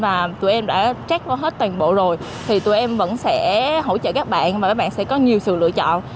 và tụi em đã trác qua hết toàn bộ rồi thì tụi em vẫn sẽ hỗ trợ các bạn và các bạn sẽ có nhiều sự lựa chọn